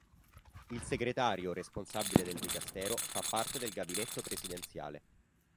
Il Segretario responsabile del dicastero fa parte del gabinetto presidenziale.